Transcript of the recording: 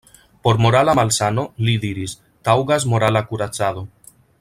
Por morala malsano, li diris, taŭgas morala kuracado.